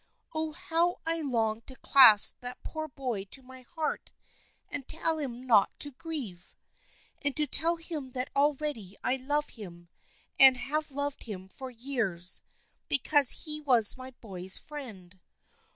Oh, how I long to clasp that poor boy to my heart and tell him not to grieve ! And to tell him that already I love him and have loved him for years, because he was my boy's friend.